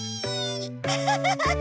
アハハハハ！